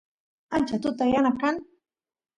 ancha tuta yana kan